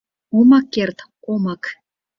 — Омак керт, омак.